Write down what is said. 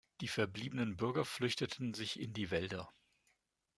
Die verbliebenen Bürger flüchteten sich in die Wälder.